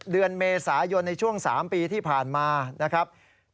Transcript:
เดือนเมษายนในช่วง๓ปีที่ผ่านมานะครับ